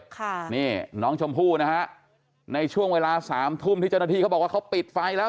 ค่ะนี่น้องชมพู่นะฮะในช่วงเวลาสามทุ่มที่เจ้าหน้าที่เขาบอกว่าเขาปิดไฟแล้ว